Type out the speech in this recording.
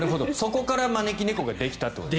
そこから招き猫ができたと。